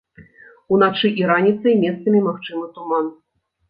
Уначы і раніцай месцамі магчымы туман.